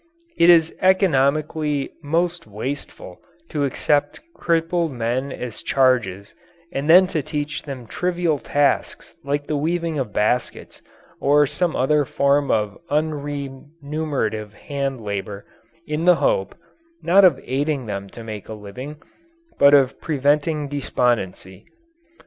It is economically most wasteful to accept crippled men as charges and then to teach them trivial tasks like the weaving of baskets or some other form of unremunerative hand labour, in the hope, not of aiding them to make a living, but of preventing despondency.